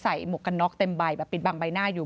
หมวกกันน็อกเต็มใบแบบปิดบังใบหน้าอยู่